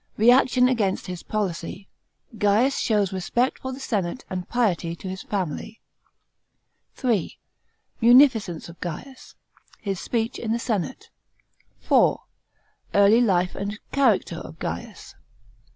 Reaction against his policy. Gaius shows respect for the senate and piety to his family. § 3. Munificence of Gaius. His speech in the senate. § 4. Early life and character of Gaius.